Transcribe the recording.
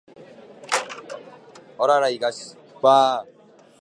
関ヶ原の戦いの発端は、実はこの戦いが始まるずっと前から起こっていました。